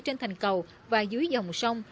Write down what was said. trên thành cầu và dưới dòng sông